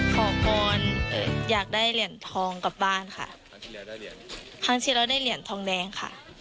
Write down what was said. ขอพรอยากได้เหรียญทองกลับบ้านค่ะครั้งที่แล้วได้เหรียญทองแดงค่ะ